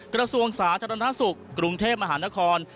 กระทรวงสาธารณสุขกรุงเทพมหานคร